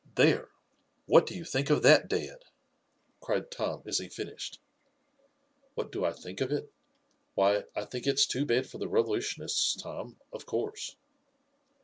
There! what do you think of that, dad?" cried Tom as he finished. "What do I think of it? Why, I think it's too bad for the revolutionists, Tom, of course."